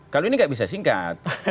kalau ini nggak bisa singkat